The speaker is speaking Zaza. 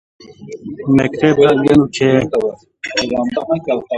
Mekteb ra yenu keye.